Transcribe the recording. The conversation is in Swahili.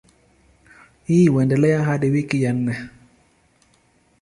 Hii huendelea hadi wiki ya nne.